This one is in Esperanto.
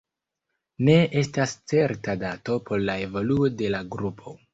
Ne estas certa dato por la evoluo de la grupo.